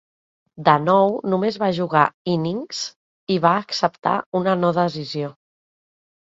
De nou, només va jugar "innings", i va acceptar una no-decisió.